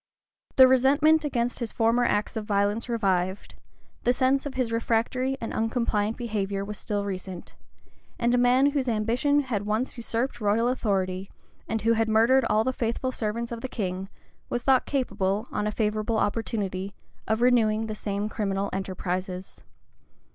The resentment against his former acts of violence revived; the sense of his refractory and uncompliant behavior was still recent; and a man whose ambition had once usurped royal authority, and who had murdered all the faithful servants of the king, was thought capable, on a favorable opportunity, of renewing the same criminal enterprises.